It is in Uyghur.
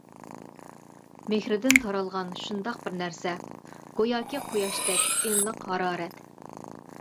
مېھرىدىن تارالغان شۇنداق بىر نەرسە، گوياكى قۇياشتەك ئىللىق ھارارەت.